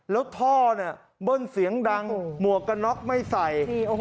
แล้วท่อเนี่ยเบิ้ลเสียงดังหมวกกันน็อกไม่ใส่